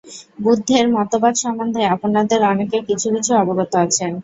বুদ্ধের মতবাদ সম্বন্ধে আপনাদের অনেকে কিছু কিছু অবগত আছেন।